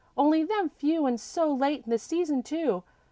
Only them few an' so late in the season, too.